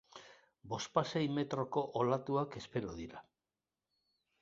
Bospasei metroko olatuak espero dira.